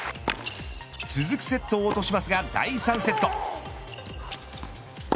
続くセットを落としますが第３セット。